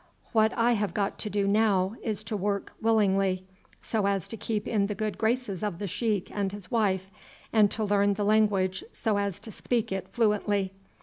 What I have got to do now is to work willingly, so as to keep in the good graces of the sheik and his wife, and to learn the language so as to speak it fluently.